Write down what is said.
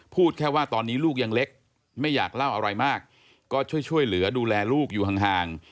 พูดแค่ว่าตอนนี้ลูกยังเล็กไม่อยากเล่าอะไรมากก็ช่วยช่วยเหลือดูแลลูกอยู่ห่าง